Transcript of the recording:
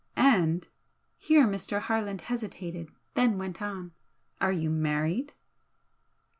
"And" here Mr. Harland hesitated, then went on "Are you married?"